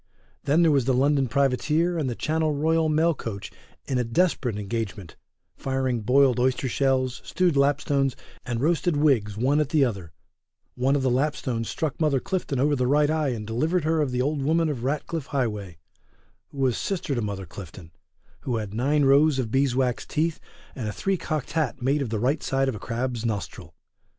Then there was the London privateer and the Channel royal mail coach in a desperate engagement; firing boiled oyster shells, stewed lapstones, and roasted wigs one at the other, one of the lapstones struck Mother Clifton over the right eye and delivered her of the old woman of Ratcliffe Highway, who was sister to Mother Clifton, who had nine rows of bees wax teeth and a three cocked hat made of the right side of a crab's nostril.